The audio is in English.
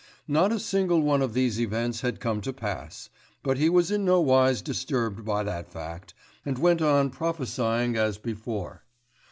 Not a single one of these events had come to pass; but he was in no wise disturbed by that fact, and went on prophesying as before.